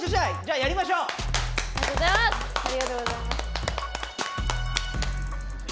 ありがとうございます。